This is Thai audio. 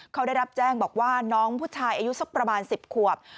เขาได้รับแจ้งบอกว่าน้องผู้ชายอายุสักประมาณ๑๐ขวบ